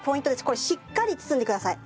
これしっかり包んでください。